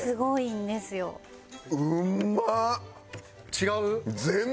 違う？